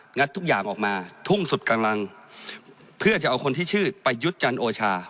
งัดทุกอย่างออกมาทุ่งสุดกำลังเพื่อจะเอาคนที่ชื่อประยุทธ์จันทร์โอชา